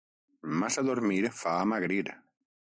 Massa dormir fa amagrir.